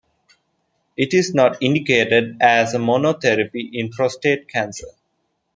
It is not indicated as a monotherapy in prostate cancer.